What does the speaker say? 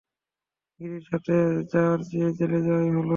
গিরির সাথে যাওয়ার চেয়ে জেলে যাওয়াই ভালো।